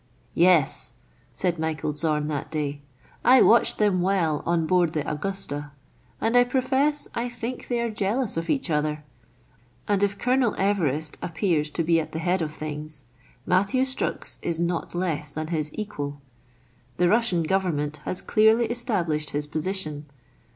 "Yes," said Michael Zorn, that day, " I watched them well on board the * Augusta,' and I profess I think they are jealous of each other. And if Colonel Everest appears to be at the head of things, Matthew Strux is not less than his equal : the Russian Government has clearly established his position.